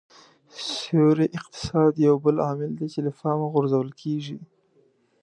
سیوري اقتصاد یو بل عامل دی چې له پامه غورځول کېږي